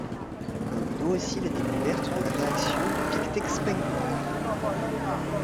On lui doit aussi la découverte de la réaction de Pictet-Spengler.